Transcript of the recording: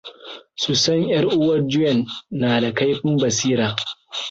Susan ƴar uwar Juan, na da kaifin basira.